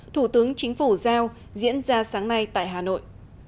thủ tướng chính phủ giao diễn ra sáng nay tại hà nội